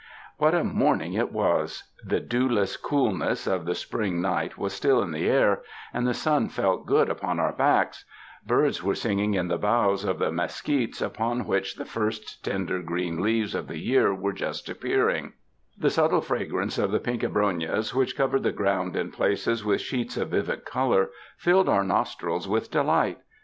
What a morning it was ! The dewless coolness of the spring night was still in the air and the sun felt good upon our backs ; birds were singing in the boughs of the mesquits upon which the first tender green leaves of the year were just appearing; the subtle fragrance of the pink abronias which covered the ground in places with sheets of vivid color, filled our nostrils with delight.